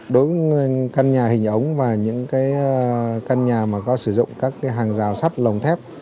đối với căn nhà hình ống và những căn nhà mà có sử dụng các hàng rào sắt lồng thép